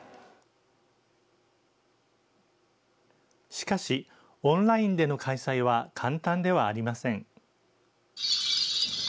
しかし、オンラインでの開催は簡単ではありません。